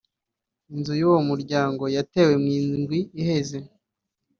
Inzu y'uwo muryango yatewe mu ndwi iheze